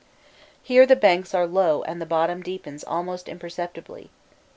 Here the banks are low and the bottom deepens almost imperceptibly.